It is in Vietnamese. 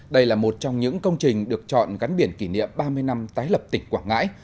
đây là một trong những công trình được chọn gắn biển kỷ niệm ba mươi năm tái lập tỉnh quảng ngãi